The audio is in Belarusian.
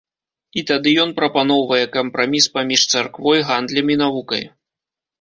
І тады ён прапаноўвае кампраміс паміж царквой, гандлем і навукай.